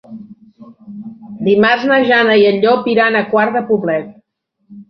Dimarts na Jana i en Llop iran a Quart de Poblet.